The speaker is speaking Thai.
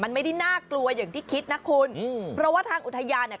มันไม่ได้น่ากลัวอย่างที่คิดนะคุณอืมเพราะว่าทางอุทยานเนี่ย